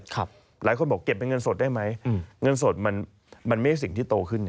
หลายคนบอกเก็บเป็นเงินสดได้ไหมเงินสดมันไม่ใช่สิ่งที่โตขึ้น